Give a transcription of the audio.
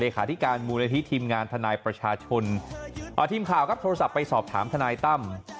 ขาธิการมูลนิธิทีมงานทนายประชาชนทีมข่าวครับโทรศัพท์ไปสอบถามทนายตั้ม